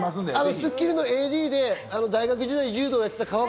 『スッキリ』のＡＤで大学時代、柔道をやってた。